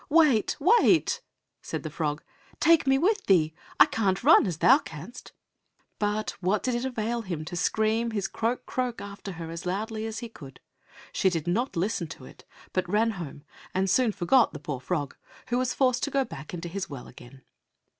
"Wait, wait," said the frog. "Take me with thee. I can't run as thou canst." But what did it avail him to scream his croak, croak, after her, as loudly as he could? She did not listen to it, but ran home and soon forgot the poor frog, who was forced to go back into his well again.